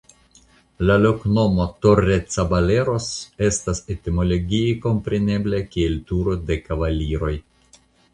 La loknomo "Torrecaballeros" estas etimologie komprenebla kiel Turo de Kavaliroj.